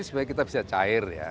supaya kita bisa cair ya